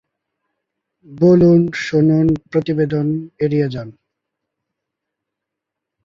এর মাথায় দুটো শিং রয়েছে।